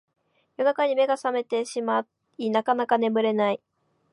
夜中に目が覚めてしまいなかなか眠れない